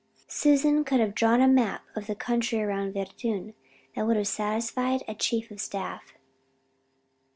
Susan could have drawn a map of the country around Verdun that would have satisfied a chief of staff.